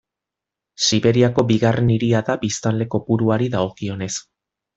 Siberiako bigarren hiria da biztanle kopuruari dagokionez.